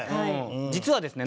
実はですね